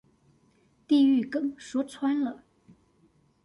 地獄梗說穿了